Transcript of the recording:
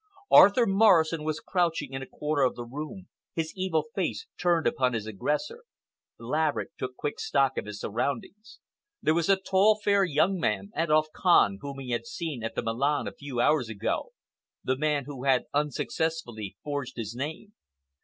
Arthur Morrison was crouching in a corner of the room, his evil face turned upon his aggressor. Laverick took quick stock of his surroundings. There was the tall, fair young man—Adolf Kahn—whom he had seen at the Milan a few hours ago—the man who had unsuccessfully forged his name.